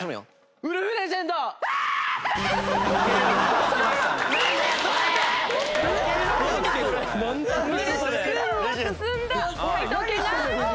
ウルフレジェンドって！